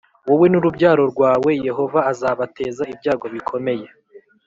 wowe n’urubyaro rwawe yehova azabateza ibyago bikomeye